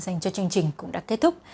dành cho chương trình cũng đã kết thúc